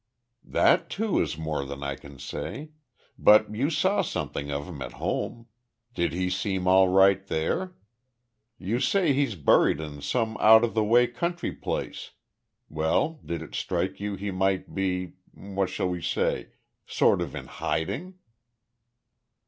"That too, is more than I can say. But you saw something of him at home. Did he seem all right there? You say he's buried in some out of the way country place. Well, did it strike you he might be what shall we say sort of in hiding?"